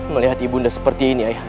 melihat ibu nanda seperti ini ayah nanda